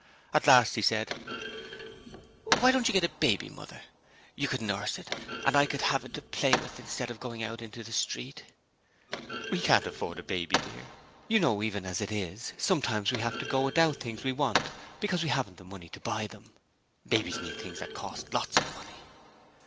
At last he said: 'Why don't you get a baby, Mother? You could nurse it, and I could have it to play with instead of going out in the street.' 'We can't afford to keep a baby, dear. You know, even as it is, sometimes we have to go without things we want because we haven't the money to buy them. Babies need many things that cost lots of money.'